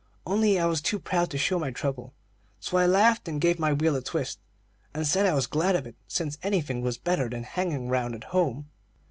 Only I was too proud to show my trouble; so I laughed, and gave my wheel a twist, and said I was glad of it, since anything was better than hanging round at home.